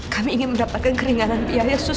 kami ingin mendapatkan keringanan biaya